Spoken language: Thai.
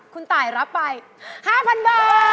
คุณตายรับไป๕๐๐๐บาท